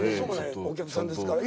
お客さんですから。